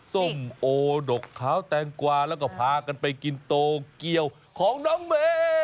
ส้มโอดกขาวแตงกวาแล้วก็พากันไปกินโตเกียวของน้องเมย์